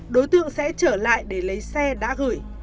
đối tượng sẽ trở lại để lấy xe đã gửi